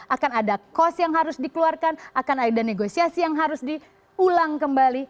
akan ada cost yang harus dikeluarkan akan ada negosiasi yang harus diulang kembali